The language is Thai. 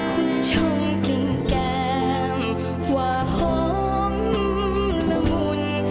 คุณผู้ชมกลิ่นแกงว่าหอมละมุน